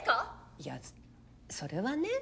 いやそれはね。